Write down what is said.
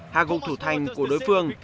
hạ gục thủ thành của đối phương